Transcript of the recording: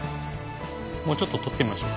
もうちょっと撮ってみましょうか。